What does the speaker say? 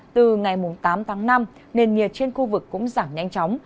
từ ngày tám tháng năm nền nhiệt trên khu vực cũng giảm nhanh chóng